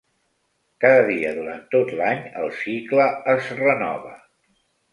Cada dia, durant tot l'any, el cicle es renova.